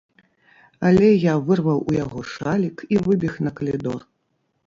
Але я вырваў у яго шалік і выбег на калідор.